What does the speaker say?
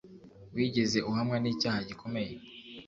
Wigeze uhamwa n'icyaha gikomeye?